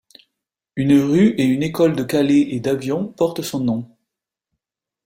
Une rue et une école de Calais et d'Avion portent son nom.